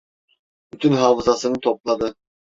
Bütün hafızasını topladı.